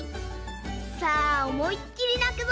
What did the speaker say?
さあおもいっきりなくぞ。